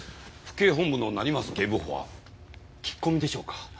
警本部の成増警部補は聞き込みでしょうか？